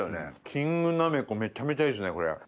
キングなめこめちゃめちゃいいですねこれ。